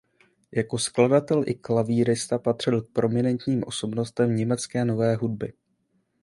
Jako skladatel i klavírista patřil k prominentním osobnostem německé nové hudby.